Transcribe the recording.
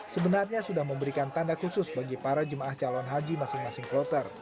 sebenarnya sudah memberikan tanda khusus bagi para jemaah calon haji masing masing kloter